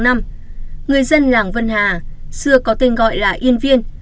người dân làng vân hà xưa có tên gọi là yên viên